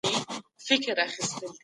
ځینې خلک فشار عادي ګڼي.